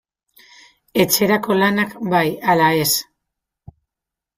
Etxerako lanak bai ala ez?